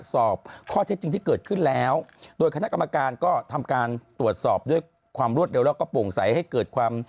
สอบข้อเท็จจริงที่เกิดขึ้นแล้วโดยคณะกรรมการก็ทำการตรวจสอบด้วยความรวดเร็วแล้วก็โปร่งใสให้เกิดความ